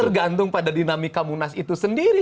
tergantung pada dinamika munas itu sendiri